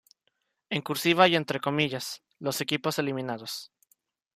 En cursiva y entre comillas, los equipos eliminados.